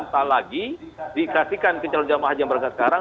tak lagi dikasihkan ke calon jemaah haji yang berangkat sekarang